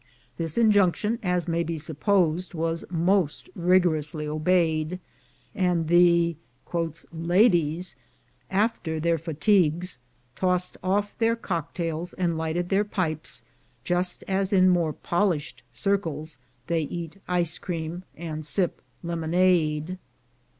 This injunction, as may be supposed, was most rigorously obeyed, and the "ladies," after their fatigues, tossed off their cocktails and lighted their pipes just as in more polished circles they eat ice creams and sip lemonade.